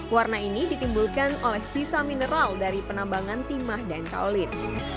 warna ini ditimbulkan oleh sisa mineral dari penambangan timah dan kaulin